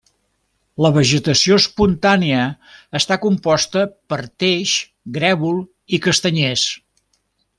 La vegetació espontània està composta per teix, grèvol i castanyers.